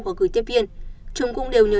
và gửi tiếp viên trung cũng đều nhờ